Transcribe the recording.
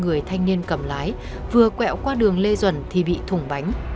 người thanh niên cầm lại vừa quẹo qua đường lê duẩn thì bị thủng bánh